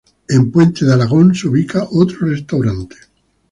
En Puentes de Alagón se ubica otro restaurante.